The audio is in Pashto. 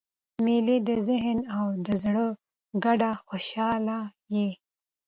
مېلې د ذهن او زړه ګډه خوشحاله يي.